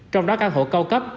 trong đó căn hộ cao cấp